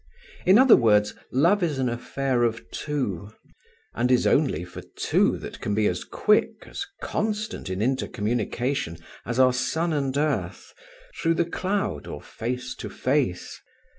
In other words, love is an affair of two, and is only for two that can be as quick, as constant in intercommunication as are sun and earth, through the cloud or face to face.